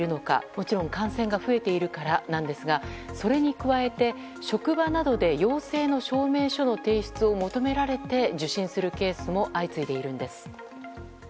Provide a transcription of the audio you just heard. もちろん感染が増えているからなんですがそれに加えて職場などで陽性の証明書の提出を求められて受診するケースも相次いでいるんです。